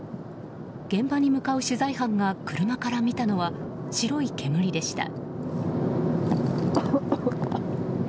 現場に向かう取材班が車から見たのは白い煙でした。